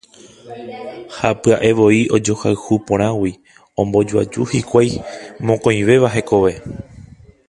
Ha pya'evoi ojohayhu porãgui ombojoaju hikuái mokõivéva hekove.